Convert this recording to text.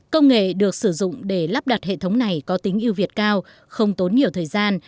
công nghệ được sử dụng để lắp đặt hệ thống này có tính ưu việt cao không tốn nhiều thời gian